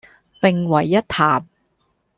並為一談